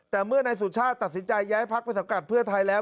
แต่เมื่อในสุชาติตัดสินใจย้ายพลักษณ์ประสบการณ์เพื่อไทยแล้ว